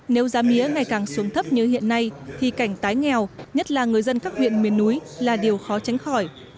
nếu giá mía ngày càng xuống thấp như hiện nay thì cảnh tái nghèo nhất là người dân các huyện miền núi là điều khó tránh khỏi